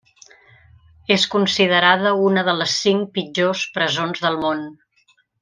És considerada una de les cinc pitjors presons del món.